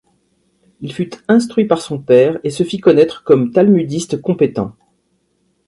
Il fut instruit par son père, et se fit connaître comme talmudiste compétent.